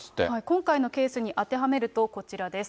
今回のケースに当てはめると、こちらです。